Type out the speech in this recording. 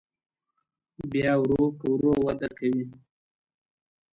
بیا ورو په ورو وده کوي.